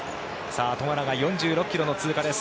トマラが４６ｋｍの通過です。